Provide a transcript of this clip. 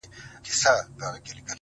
د دې وطن د شمله ورو قدر څه پیژني!.